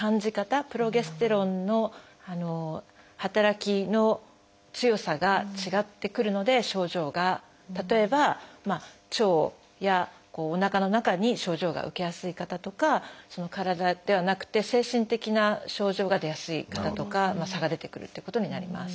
プロゲステロンの働きの強さが違ってくるので症状が例えば腸やおなかの中に症状が受けやすい方とか体ではなくて精神的な症状が出やすい方とか差が出てくるってことになります。